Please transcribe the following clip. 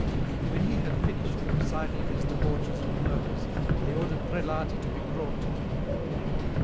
When he had finished the recital of his debauches and murders they ordered Prelati to be brought to them.